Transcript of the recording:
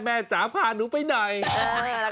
จ๋าพาหนูไปไหน